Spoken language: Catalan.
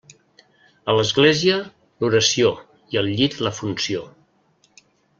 A l'església l'oració i al llit la funció.